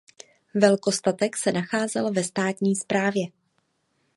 Velkostatek se nacházel ve státní správě.